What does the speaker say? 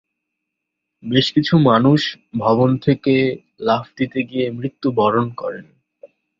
বেশ কিছু মানুষ ভবন থেকে লাফ দিতে গিয়ে মৃত্যুবরণ করেন।